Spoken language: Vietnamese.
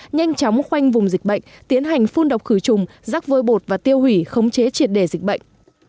nhanh chóng khoanh vùng dịch bệnh tiến hành phun độc khử trùng rắc vôi bột và tiêu hủy khống chế triệt đề dịch bệnh